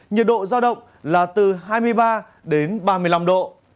nhiệt độ giao động là từ hai mươi ba đến ba mươi năm độ